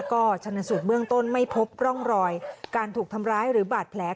ก็ชนสูตรเบื้องต้นไม่พบร่องรอยการถูกทำร้ายหรือบาดแผล